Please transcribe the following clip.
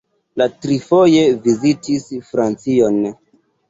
Li trifoje vizitis Francion.